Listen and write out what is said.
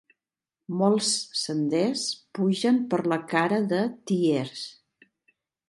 Molts senders pugen per la cara de Tiers.